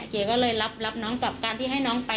เก๋ก็เลยรับน้องกับการที่ให้น้องไป